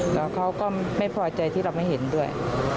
แต่เค้าก็ไม่พอใจที่เรามันเห็นด้วย